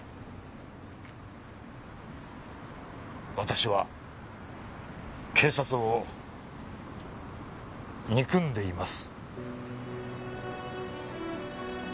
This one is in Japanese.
私は警察を憎んでいます。